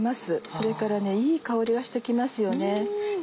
それからいい香りがして来ますよね。